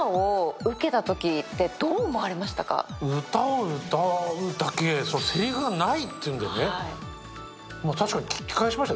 歌を歌うだけで、せりふがないっていうんでね、確かに聞き返しました。